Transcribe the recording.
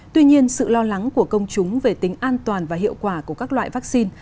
tuy nhiên sự lo lắng của công chúng về tính an toàn và hiệu quả của các loại vaccine